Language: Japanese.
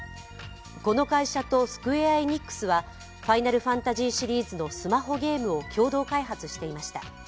この会社とスクウェア・エニックスは「ファイナルファンタジー」シリーズのスマホゲームを共同開発していました。